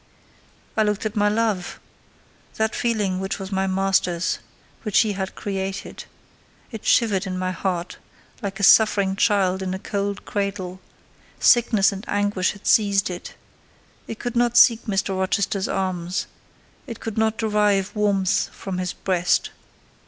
I looked at my love: that feeling which was my master's—which he had created; it shivered in my heart, like a suffering child in a cold cradle; sickness and anguish had seized it; it could not seek Mr. Rochester's arms—it could not derive warmth from his breast.